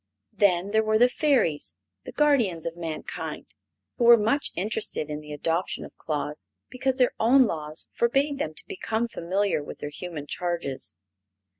Then there were the Fairies, the guardians of mankind, who were much interested in the adoption of Claus because their own laws forbade them to become familiar with their human charges.